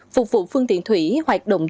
phục vụ phương tiện thủy hoạt động